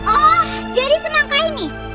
ah jadi semangka ini